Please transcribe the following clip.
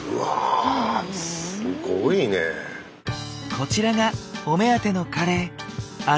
こちらがお目当てのカレー。